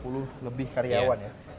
tiga puluh lebih karyawan ya